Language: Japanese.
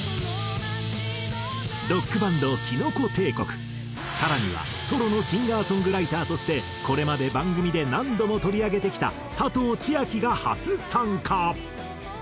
ロックバンドきのこ帝国更にはソロのシンガーソングライターとしてこれまで番組で何度も取り上げてきた佐藤千亜妃が初参加！